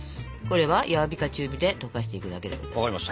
これは弱火か中火で溶かしていくだけです。